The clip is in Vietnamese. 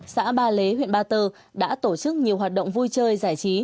xã ba lễ huyện ba tơ đã tổ chức nhiều hoạt động vui chơi giải trí